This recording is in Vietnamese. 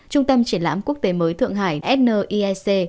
trung tâm triển lãm quốc tế mới thượng hải sniec